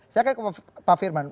saya akan ke pak firman